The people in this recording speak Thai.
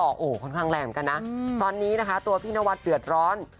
โอ้โหค่อนข้างแรงเหมือนกันนะตอนนี้นะคะตัวพี่นวัดเดือดร้อน